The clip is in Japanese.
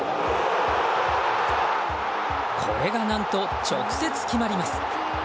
これが何と直接決まります。